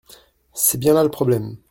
C’est bien là le problème.